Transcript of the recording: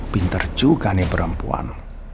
pinter juga nih perempuan